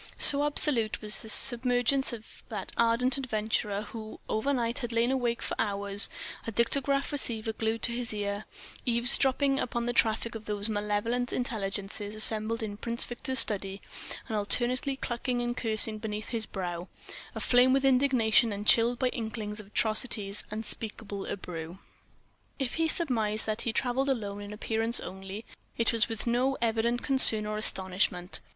So absolute was the submergence of that ardent adventurer who, overnight, had lain awake for hours, a dictograph receiver glued to his ear, eavesdropping upon the traffic of those malevolent intelligences assembled in Prince Victor's study, and alternately chuckling and cursing beneath his breath, aflame with indignation and chilled by inklings of atrocities unspeakable abrew! If he surmised that he travelled alone in appearance only, it was with no evident concern or astonishment.